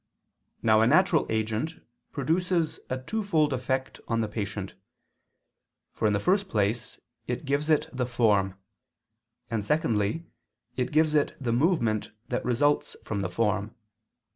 Now a natural agent produces a twofold effect on the patient: for in the first place it gives it the form; and secondly it gives it the movement that results from the form.